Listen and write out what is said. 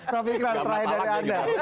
prof iklan terakhir dari anda